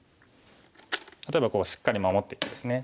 例えばしっかり守っていってですね。